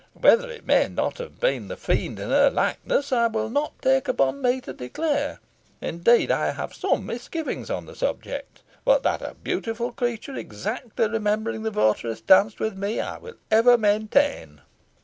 Whether it may not have been the Fiend in her likeness I will not take upon me to declare and indeed I have some misgivings on the subject; but that a beautiful creature, exactly resembling the votaress, danced with me, I will ever maintain."